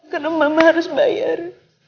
karena bapak harus bayar